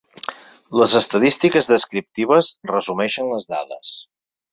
Les estadístiques descriptives resumeixen les dades.